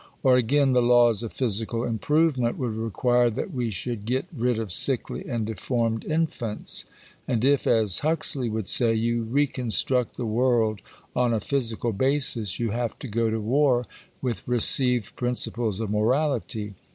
Or again the laws of physical improvement would require that we should get rid of sickly and deformed infants. And if, as Huxley would say, you reconstruct the world on a physical basis, you have to go to war with received principles of morality.